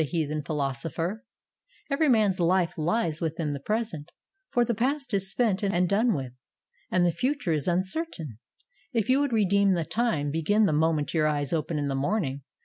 heathen philosopher, "Every man's life lies within the present, for the past is spent and done with, and the future is uncertain," If you would redeem the time, begin the moment your eyes open in the morning.